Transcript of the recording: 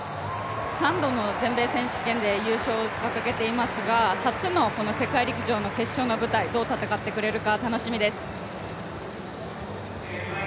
３度の全米選手権で優勝を掲げていますが、初の世界陸上の決勝の舞台、どう戦ってくれるか楽しみです。